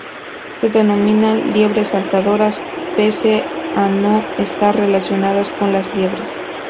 Se denominan liebres saltadoras, pese a no estar relacionadas con las liebres.